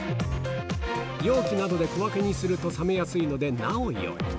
容器などで小分けにすると冷めやすいので、なおよい。